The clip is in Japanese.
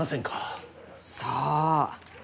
さあ？